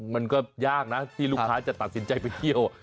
มันก็ยากนะที่ลูกค้าจะตัดสินใจไปเที่ยว